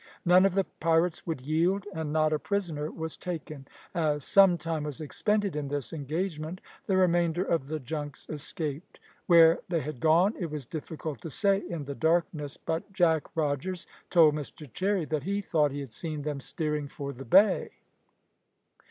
None of the pirates would yield, and not a prisoner was taken. As some time was expended in this engagement, the remainder of the junks escaped. Where they had gone it was difficult to say in the darkness; but Jack Rogers told Mr Cherry that he thought he had seen them steering for the bay.